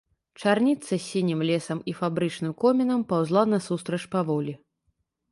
Чарніца з сінім лесам і фабрычным комінам паўзла насустрач паволі.